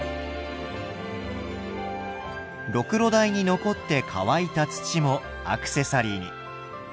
ろくろ台に残って乾いた土もアクセサリーに。